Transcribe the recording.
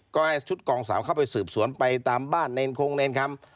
ก็ให้ชุดกองสามเข้าไปสืบสวนไปตามบ้านในโครงเรียนครับ